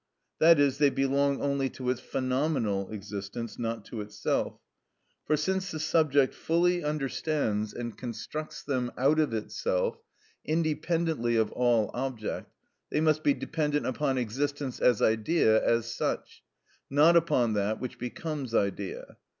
That is, they belong only to its phenomenal existence, not to itself. For since the subject fully understands and constructs them out of itself, independently of all object, they must be dependent upon existence as idea as such, not upon that which becomes idea.